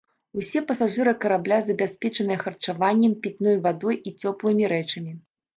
Усе пасажыры карабля забяспечаныя харчаваннем, пітной вадой і цёплымі рэчамі.